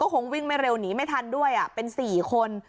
คงวิ่งไม่เร็วหนีไม่ทันด้วยเป็น๔คน